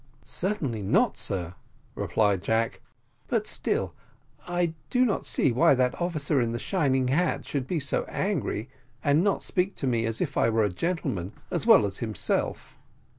"Cerainly not, sir," replied Jack, "but still I do not see why that officer in the shining hat should be so angry, and not speak to me as if I were a gentleman, as well as himself."